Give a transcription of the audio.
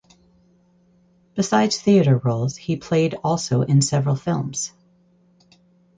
Besides theatre roles he played also in several films.